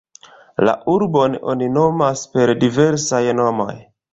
La arbon oni nomas per diversaj nomoj.